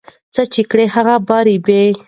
څه چې کري هغه به رېبې